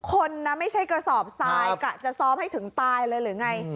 คนนะไม่ใช่กระสอบทรายกะจะซ้อมให้ถึงตายเลยหรือไง